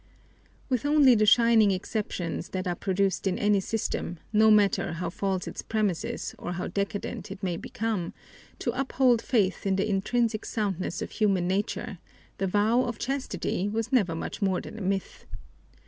With only the shining exceptions that are produced in any system, no matter how false its premises or how decadent it may become, to uphold faith in the intrinsic soundness of human nature, the vow of chastity was never much more than a myth.